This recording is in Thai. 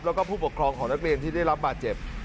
แล้วก็ผู้ปกครองของนักเรียนที่ได้รับบาดเจ็บ